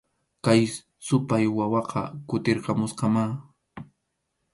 Kay supay wawaqa kutirqamusqamá